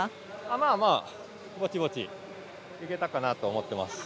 まあまあ、ぼちぼちいけたかなと思ってます。